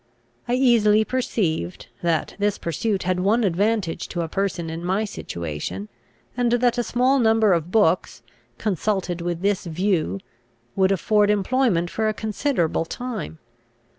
I easily perceived, that this pursuit had one advantage to a person in my situation, and that a small number of books, consulted with this view, would afford employment for a considerable time.